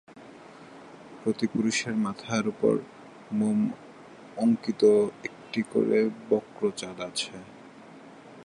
প্রতি পুরুষের মাথার উপর মোম অঙ্কিত একটি করে বক্র চাঁদ আছে।